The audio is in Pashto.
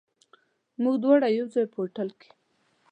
موږ دواړه یو ځای، په هوټل کې.